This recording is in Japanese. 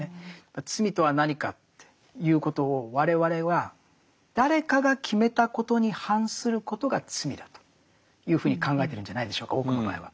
罪とは何かっていうことを我々は誰かが決めたことに反することが罪だというふうに考えてるんじゃないでしょうか多くの場合は。